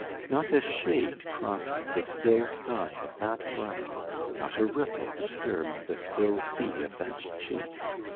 Not a shade crossed the still sky of that brow, not a ripple disturbed the still sea of that cheek.